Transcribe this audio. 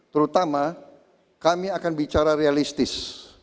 terutama kami akan bicara realistis